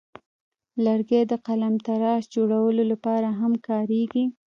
لرګی د قلمتراش جوړولو لپاره هم کاریږي.